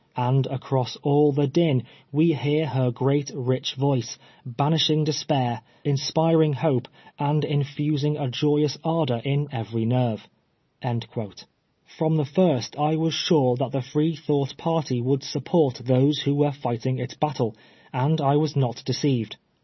And across all the din we hear her great rich voice, banishuig despair, inspiring hope, and in fusing a joyous ardor in every nerve." From the first I was sure that the Freethought party would support those who were fighting its battle, and I was not deceived.